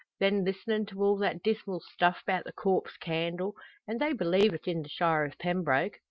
Then listenin' to all that dismal stuff 'bout the corpse candle. An' they believe it in the shire o' Pembroke!